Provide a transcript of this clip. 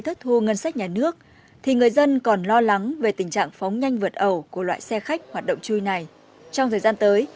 trong thời gian tới các xe khách hoạt động chui đã phóng nhanh vượt ẩu